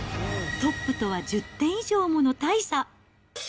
トップとは１０点以上もの大差。